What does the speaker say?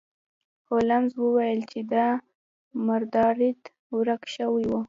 هولمز وویل چې دا مروارید ورک شوی و.